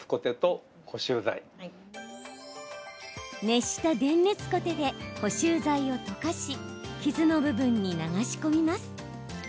熱した電熱コテで補修材を溶かし傷の部分に流し込みます。